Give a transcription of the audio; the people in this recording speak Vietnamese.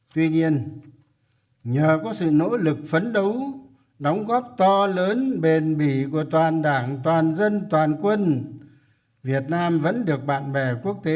tuy nhiên nhờ có sự nỗ lực phấn đấu đóng góp to lớn bền bỉ của toàn đảng toàn dân toàn quân việt nam vẫn được bạn bè quốc tế